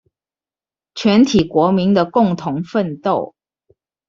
全體國民的共同奮鬥